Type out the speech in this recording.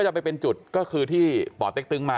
ดรปรกคปรตึง